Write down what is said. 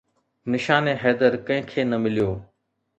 نشان حيدر ڪنهن کي نه مليو